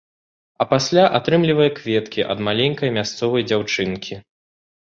А пасля атрымлівае кветкі ад маленькай мясцовай дзяўчынкі.